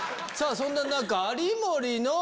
そんな中。